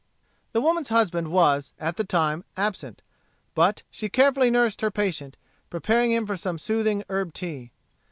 The woman's husband was, at the time, absent. But she carefully nursed her patient, preparing for him some soothing herb tea.